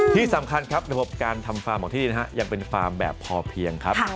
ที่สำคัญครับระบบการทำฟาร์มของที่นะฮะยังเป็นฟาร์มแบบพอเพียงครับ